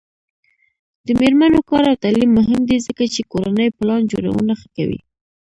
د میرمنو کار او تعلیم مهم دی ځکه چې کورنۍ پلان جوړونه ښه کوي.